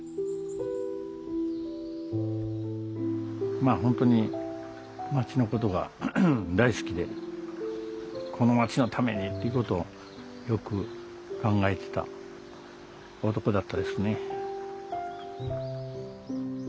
まあ本当に町のことが大好きでこの町のためにっていうことをよく考えてた男だったですね。